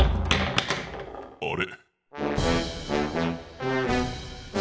あれ？